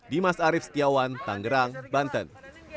dimas arief setiawan tanggerang banten